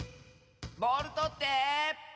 ボールとって！